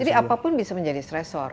jadi apapun bisa menjadi stresor